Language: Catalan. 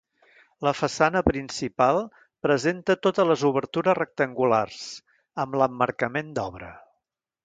La façana principal presenta totes les obertures rectangulars, amb l'emmarcament d'obra.